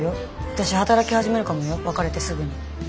私働き始めるかもよ別れてすぐに。